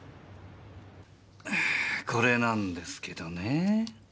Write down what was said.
これなんですけどねぇ。